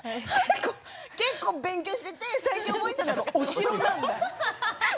結構、勉強していて最近、覚えたのがお城なんだ。